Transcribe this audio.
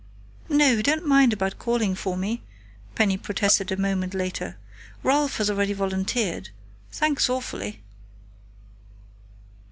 "No, don't mind about calling for me," Penny protested a moment later. "Ralph has already volunteered.... Thanks awfully!"